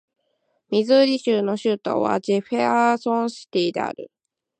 ミズーリ州の州都はジェファーソンシティである